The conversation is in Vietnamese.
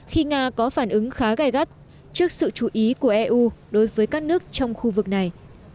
khi nga có phản ứng khá gai gắt trước sự chú ý của eu đối với các nước trong khu vực này